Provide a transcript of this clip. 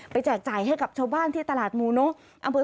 แจกจ่ายให้กับชาวบ้านที่ตลาดมูนก